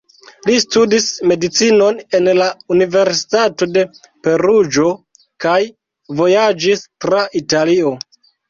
Li studis medicinon en la Universitato de Peruĝo kaj vojaĝis tra Italio.